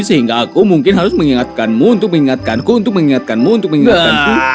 sehingga aku mungkin harus mengingatkanmu untuk mengingatkanku untuk mengingatkanmu untuk mengingatkanku